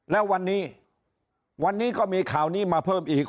แล้ววันนี้วันนี้ก็มีข่าวนี้มาเพิ่มอีก